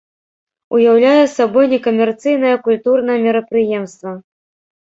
Уяўляе сабой некамерцыйнае культурнае мерапрыемства.